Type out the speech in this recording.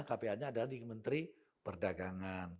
kpa nya adalah di menteri perdagangan